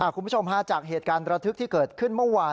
คุณผู้ชมฮาจากเหตุการณ์ระทึกที่เกิดขึ้นเมื่อวาน